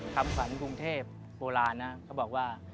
คำขวัญกรุงเทพโบราณนะเขาบอกว่า